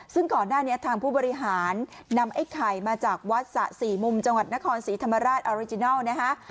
ซึ่งก่อนหน้านี้ทางผู้บริหารนำไอ้ไข่มาจากวัดสะสี่มุมจังหวัดนครศรีธรรมราชออริจินัลนะฮะ